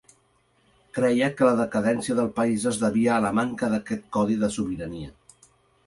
Creia que la decadència del país es devia a la manca d'aquest codi de sobirania.